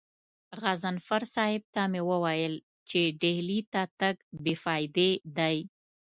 غضنفر صاحب ته مې وويل چې ډهلي ته تګ بې فايدې دی.